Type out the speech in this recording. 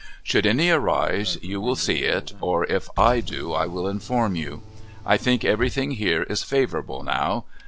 Should any arise, you will see it, or if I do I will inform you. I think everything here is favorable now.